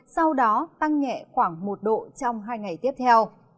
sau đó tăng nhẹ khoảng một độ trong hai ngày tiếp theo